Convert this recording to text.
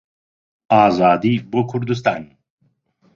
ئازادی بۆ کوردستان!